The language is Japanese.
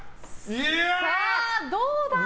さあ、どうだ？